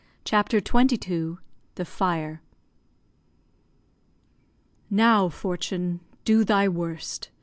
CHAPTER XXII THE FIRE Now, Fortune, do thy worst!